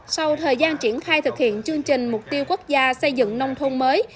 sau thời gian triển khai thực hiện chương trình mục tiêu quốc gia xây dựng nông thôn mới